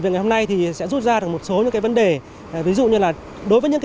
gây thiệt hại lớn